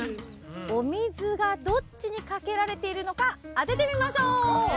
お水がどっちにかけられているのか当ててみましょう！